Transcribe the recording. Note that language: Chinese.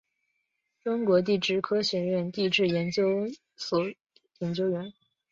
中国地质科学院地质研究所研究员。